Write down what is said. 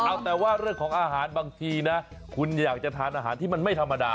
เอาแต่ว่าเรื่องของอาหารบางทีนะคุณอยากจะทานอาหารที่มันไม่ธรรมดา